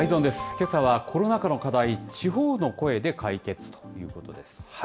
けさはコロナ禍の課題、地方の声で解決ということです。